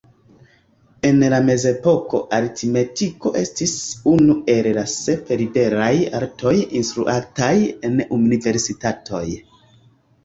En la Mezepoko, aritmetiko estis unu el la sep liberaj artoj instruataj en universitatoj.